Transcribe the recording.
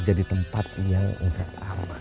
jadi tempat yang udah aman